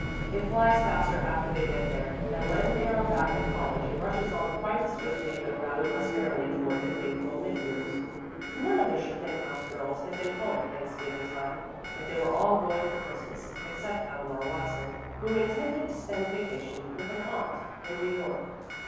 It flies faster after they get there, and when they are back at college it rushes on quite as swiftly but rather less merrily toward the fateful "mid years." None of the Chapin house girls had been home at Thanksgiving time, but they were all going for Christmas, except Eleanor Watson, who intended to spend the vacation with an aunt in New York.